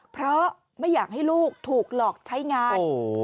เพราะไม่อยากให้ลูกถูกหลอกใช้งาน